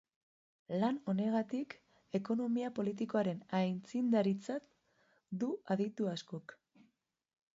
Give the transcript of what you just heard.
Lan honengatik ekonomia politikoaren aitzindaritzat du aditu askok.